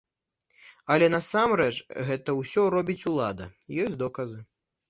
Але насамрэч гэта ўсё робіць улада, ёсць доказы.